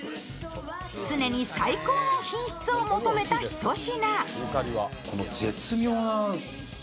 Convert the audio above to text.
常に最高の品質を求めた一品。